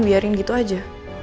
biarin gitu aja